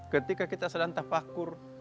ketika kita sedang tafakkur